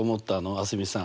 蒼澄さん。